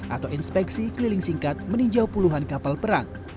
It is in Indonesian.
atau inspeksi keliling singkat meninjau puluhan kapal perang